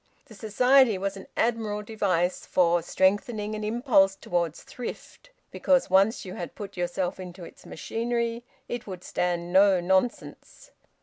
The Society was an admirable device for strengthening an impulse towards thrift, because, once you had put yourself into its machinery, it would stand no nonsense.